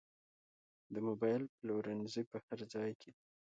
د موبایل پلورنځي په هر ځای کې دي